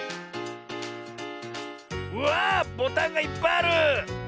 うわボタンがいっぱいある！